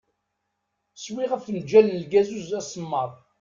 Swiɣ afenǧal n lgazuz asemmaḍ.